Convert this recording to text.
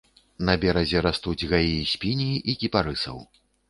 На беразе растуць гаі з піній і кіпарысаў.